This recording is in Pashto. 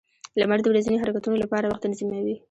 • لمر د ورځني حرکتونو لپاره وخت تنظیموي.